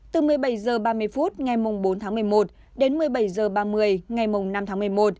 từ một mươi bảy h ba mươi phút ngày bốn tháng một mươi một đến một mươi bảy h ba mươi ngày năm tháng một mươi một